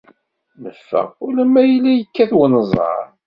Neffeɣ, ula ma yella yekkat unẓar.